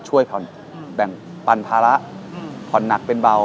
ช่วยแผ่นภาระผ่อนหนักเป็นเบา